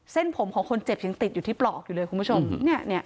เส้นผมของคนเจ็บยังติดอยู่ที่ปลอกอยู่เลยคุณผู้ชม